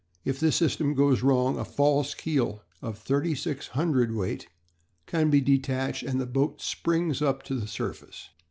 If this system goes wrong a false keel of thirty six hundredweight can be detached and the boat springs up to the surface.